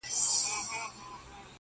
اوس درواخلئ ساړه سیوري جنتونه!.